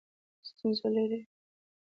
ستونزې لرئ؟